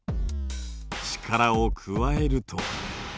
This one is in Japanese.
力を加えると。